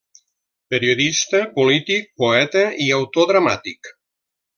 Periodista, polític, poeta i autor dramàtic.